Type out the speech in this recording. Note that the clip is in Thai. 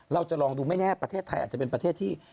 เราจะลองดูไม่แน่ประเทศไทยอาจจะเป็นประเทศที่